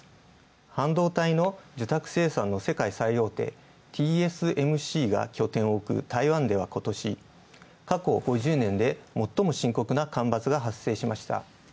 半導体の受託生産の世界最大手、ＴＳＭＣが拠点をおく台湾では、今年は、過去５０年でもっとも深刻な干ばつが発生しました。